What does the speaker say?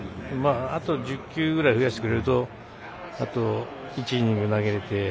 あと、１０球ぐらい増やしてくれるとあと１イニング投げれて。